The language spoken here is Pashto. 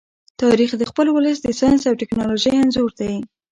تاریخ د خپل ولس د ساینس او ټیکنالوژۍ انځور دی.